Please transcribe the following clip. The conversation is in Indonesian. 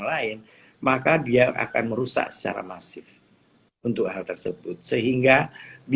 sehingga biar orang semua sembuh begitu ini